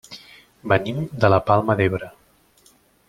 Venim de la Palma d'Ebre.